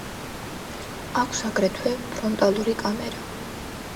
აქვს აგრეთვე ფრონტალური კამერა.